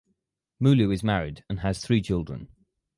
Mulu is married and has three children.